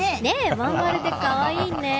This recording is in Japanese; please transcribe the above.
真ん丸で可愛いね。